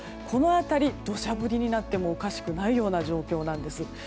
この辺りは土砂降りになってもおかしくないような状況なんです。